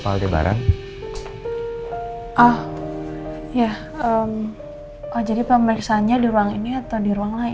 aku sangat menyayangimu